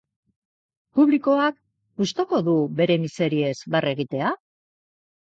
Publikoak gustuko du bere miseriez barre egitea?